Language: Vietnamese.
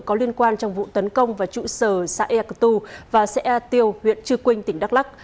có liên quan trong vụ tấn công và trụ sở xã ek tu và xã tiêu huyện trư quynh tỉnh đắk lắc